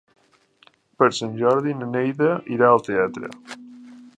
Per Sant Jordi na Neida irà al teatre.